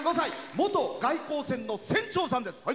元外航船の船長さんです。